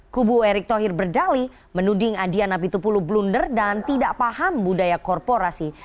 kubu erick thohir berdali menuding adian apitupulu blunder dan tidak paham budaya korporasi